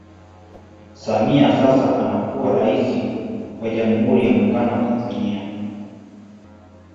Samia sasa anakuwa Rais wa jamhuri ya Muungano wa Tanzania